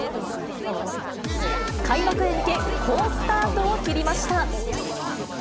開幕へ向け、好スタートを切りました。